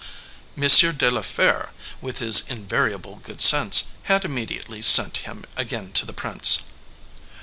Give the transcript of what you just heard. M. de la Fere, with his invariable good sense, had immediately sent him again to the prince.